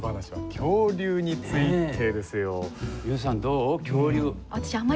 恐竜については。